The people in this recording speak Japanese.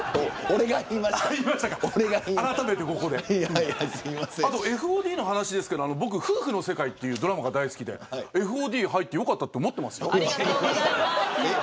あと、ＦＯＤの話ですが僕、夫婦の世界というドラマが大好きでＦＯＤ入ってよかったなと思ってますよ。